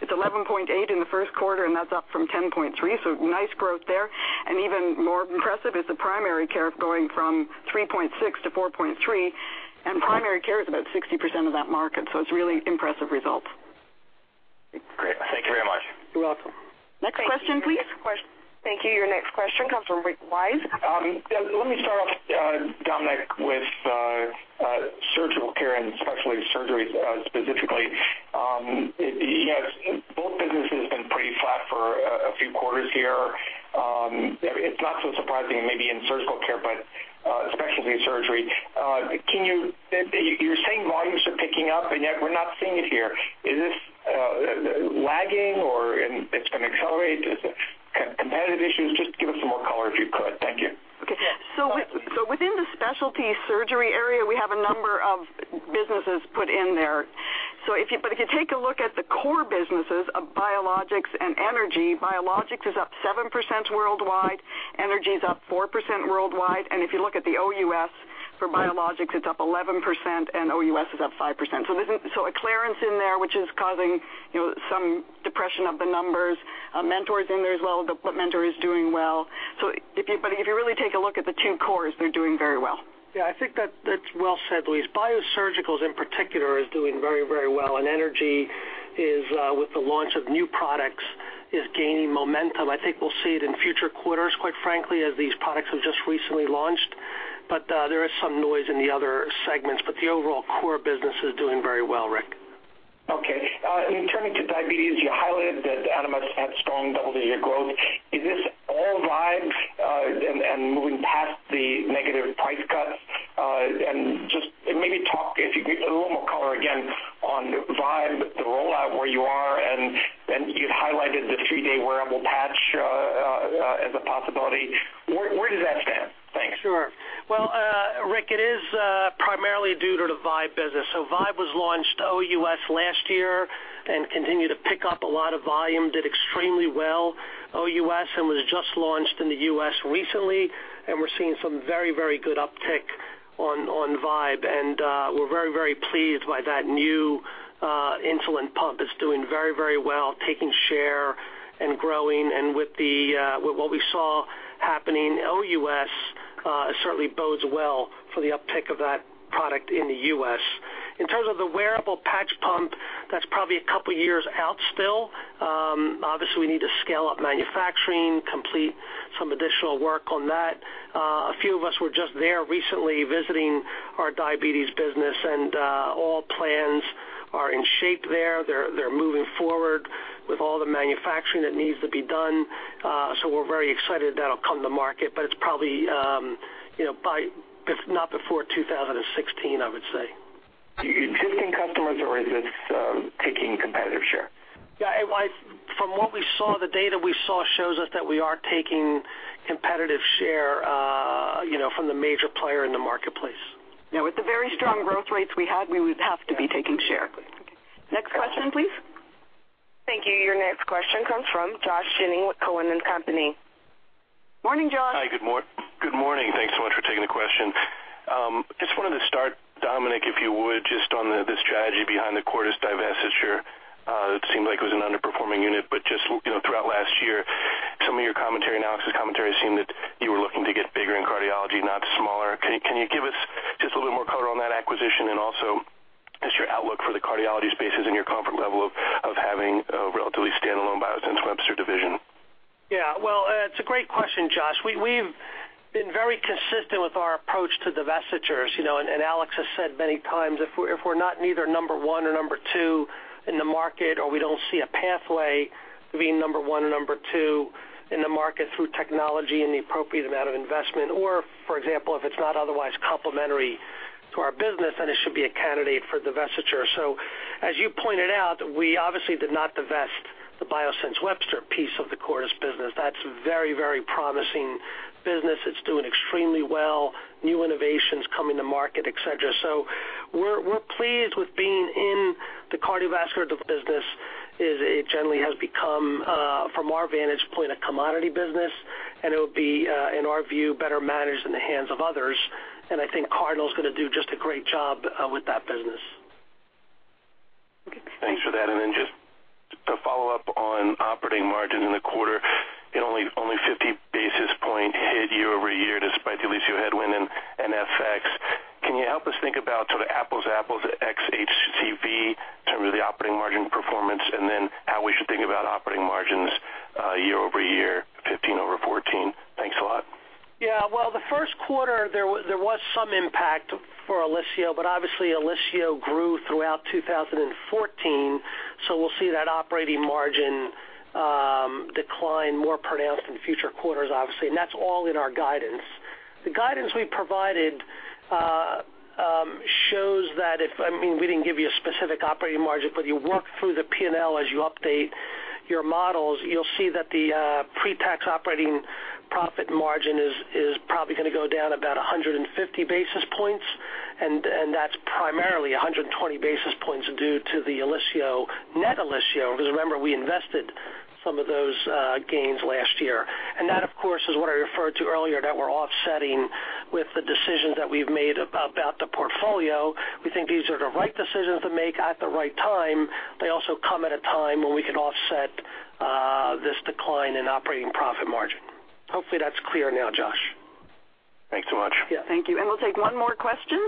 it's 11.8 in the first quarter, that's up from 10.3, nice growth there. Even more impressive is the primary care going from 3.6 to 4.3, primary care is about 60% of that market. It's really impressive results. Great. Thank you very much. You're welcome. Next question, please. Thank you. Your next question comes from Rick Wise. Let me start off, Dominic, with surgical care and specialty surgery, specifically. Both businesses have been pretty flat for a few quarters here. It's not so surprising maybe in surgical care, but specialty surgery. You're saying volumes are picking up, and yet we're not seeing it here. Is this lagging or it's going to accelerate? Is it competitive issues? Just give us some more color if you could. Thank you. Within the specialty surgery area, we have a number of businesses put in there. If you take a look at the core businesses of biologics and energy, biologics is up 7% worldwide, energy is up 4% worldwide, and if you look at the OUS for biologics, it's up 11%, and OUS is up 5%. Acclarent in there, which is causing some depression of the numbers. Mentor is in there as well, but Mentor is doing well. If you really take a look at the two cores, they're doing very well. Yeah, I think that's well said, Louise. Biosurgicals in particular is doing very, very well, and energy is, with the launch of new products, is gaining momentum. I think we'll see it in future quarters, quite frankly, as these products have just recently launched. There is some noise in the other segments, but the overall core business is doing very well, Rick. Okay. Turning to diabetes, you highlighted that Animas had strong double-digit growth. Is this all Vibe and moving past the negative price cuts? Just maybe talk, if you could, a little more color again on Vibe, the rollout, where you are, and you'd highlighted the three-day wearable patch as a possibility. Where does that stand? Thanks. Sure. Well, Rick, it is primarily due to the Vibe business. Vibe was launched OUS last year and continued to pick up a lot of volume, did extremely well OUS, and was just launched in the U.S. recently, and we're seeing some very, very good uptick on Vibe. We're very, very pleased by that new insulin pump. It's doing very, very well, taking share and growing. With what we saw happening OUS, certainly bodes well for the uptick of that product in the U.S. In terms of the wearable patch pump, that's probably a couple of years out still. Obviously, we need to scale up manufacturing, complete some additional work on that. A few of us were just there recently visiting our diabetes business, and all plans are in shape there. They're moving forward with all the manufacturing that needs to be done. We're very excited that'll come to market, but it's probably not before 2016, I would say. Existing customers or is this taking competitive share? From what we saw, the data we saw shows us that we are taking competitive share from the major player in the marketplace. With the very strong growth rates we had, we would have to be taking share. Next question, please. Thank you. Your next question comes from Josh Jennings with Cowen and Company. Morning, Josh. Hi, good morning. Question. Just wanted to start, Dominic, if you would, just on the strategy behind the Cordis divestiture. It seemed like it was an underperforming unit, but just throughout last year, some of your commentary and Alex's commentary seemed that you were looking to get bigger in cardiology, not smaller. Can you give us just a little more color on that acquisition and also just your outlook for the cardiology spaces and your comfort level of having a relatively standalone Biosense Webster division? Well, it's a great question, Josh. We've been very consistent with our approach to divestitures. Alex has said many times if we're not either number 1 or number 2 in the market or we don't see a pathway to being number 1 or number 2 in the market through technology and the appropriate amount of investment, or for example, if it's not otherwise complementary to our business, then it should be a candidate for divestiture. As you pointed out, we obviously did not divest the Biosense Webster piece of the Cordis business. That's very promising business. It's doing extremely well. New innovations coming to market, et cetera. We're pleased with being in the cardiovascular business. It generally has become, from our vantage point, a commodity business. It would be, in our view, better managed in the hands of others. I think Cardinal's going to do just a great job with that business. Thanks for that. Then just to follow up on operating margin in the quarter, only 50 basis point hit year-over-year despite the Olysio headwind and FX. Can you help us think about sort of apples to apples ex HCV in terms of the operating margin performance and then how we should think about operating margins year-over-year, 2015 over 2014? Thanks a lot. Well, the first quarter, there was some impact for Olysio. Obviously Olysio grew throughout 2014. We'll see that operating margin decline more pronounced in future quarters, obviously, and that's all in our guidance. The guidance we provided shows that if we didn't give you a specific operating margin, but you work through the P&L as you update your models, you'll see that the pre-tax operating profit margin is probably going to go down about 150 basis points. That's primarily 120 basis points due to the Olysio, net Olysio, because remember, we invested some of those gains last year. That, of course, is what I referred to earlier that we're offsetting with the decisions that we've made about the portfolio. We think these are the right decisions to make at the right time. They also come at a time when we can offset this decline in operating profit margin. Hopefully, that's clear now, Josh. Thanks so much. Yeah. Thank you. We'll take one more question.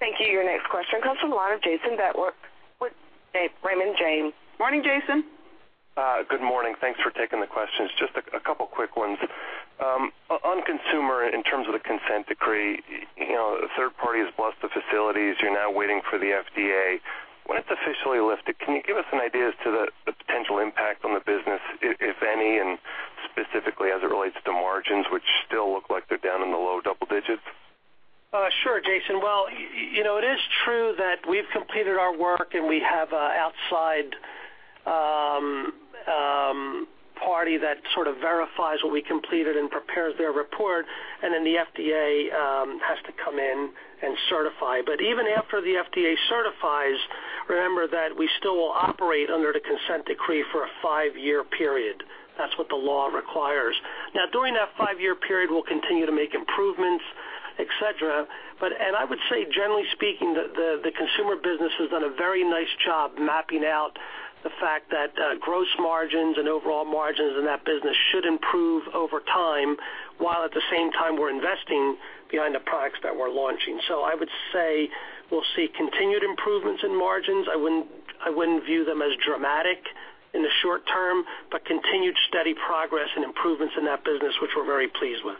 Thank you. Your next question comes from the line of Jayson Bedford with Raymond James. Morning, Jayson. Good morning. Thanks for taking the questions. Just a couple quick ones. On consumer, in terms of the consent decree, a third party has blessed the facilities. You're now waiting for the FDA. When it's officially lifted, can you give us an idea as to the potential impact on the business, if any, and specifically as it relates to margins, which still look like they're down in the low double digits? Sure, Jayson. Well, it is true that we've completed our work. We have an outside party that sort of verifies what we completed and prepares their report. The FDA has to come in and certify. Even after the FDA certifies, remember that we still will operate under the consent decree for a five-year period. That's what the law requires. Now, during that five-year period, we'll continue to make improvements, et cetera. I would say, generally speaking, the consumer business has done a very nice job mapping out the fact that gross margins and overall margins in that business should improve over time, while at the same time we're investing behind the products that we're launching. I would say we'll see continued improvements in margins. I wouldn't view them as dramatic in the short term, continued steady progress and improvements in that business, which we're very pleased with.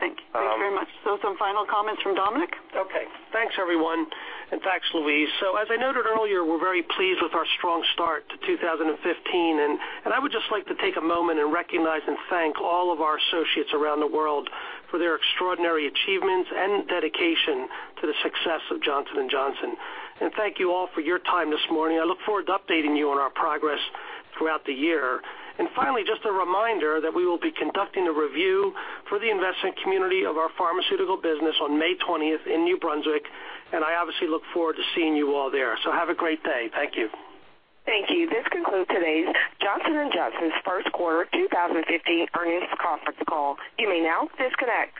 Thank you. Thanks very much. Some final comments from Dominic? Okay. Thanks, everyone, and thanks, Louise. As I noted earlier, we're very pleased with our strong start to 2015, and I would just like to take a moment and recognize and thank all of our associates around the world for their extraordinary achievements and dedication to the success of Johnson & Johnson. Thank you all for your time this morning. I look forward to updating you on our progress throughout the year. Finally, just a reminder that we will be conducting a review for the investment community of our pharmaceutical business on May 20th in New Brunswick, and I obviously look forward to seeing you all there. Have a great day. Thank you. Thank you. This concludes today's Johnson & Johnson's first quarter 2015 earnings conference call. You may now disconnect.